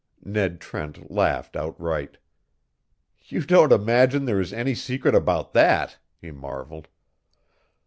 Ned Trent laughed outright. "You don't imagine there is any secret about that!" he marvelled.